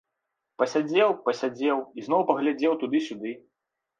Пасядзеў, пасядзеў, ізноў паглядзеў туды-сюды.